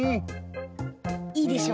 いいでしょ？